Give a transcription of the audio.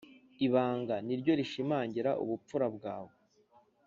ibanga niryo rishimangira ubupfura bwawe